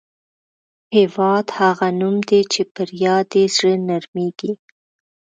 هېواد هغه نوم دی چې پر یاد یې زړه نرميږي.